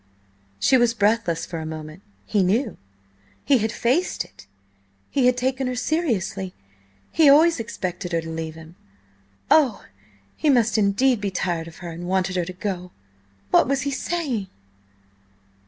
She was breathless for a moment. He knew! He had faced it! He had taken her seriously–he always expected her to leave him! Oh, he must indeed be tired of her, and wanted her to go! What was he saying?